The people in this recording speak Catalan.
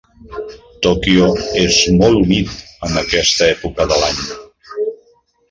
Tòquio és molt humit en aquesta època de l'any.